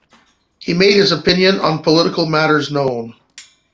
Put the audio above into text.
He made his opinions on political matters known.